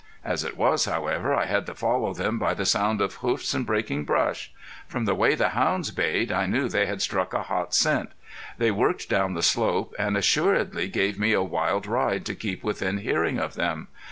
As it was, however, I had to follow them by the sound of hoofs and breaking brush. From the way the hounds bayed I knew they had struck a hot scent. They worked down the slope, and assuredly gave me a wild ride to keep within hearing of them.